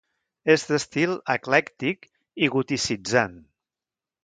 És d'estil eclèctic i goticitzant.